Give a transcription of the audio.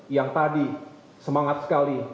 yang tadi semangat sekali